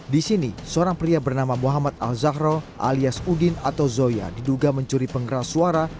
di sini seorang pria bernama muhammad al zahro alias udin atau zoya diduga mencuri penggeras suara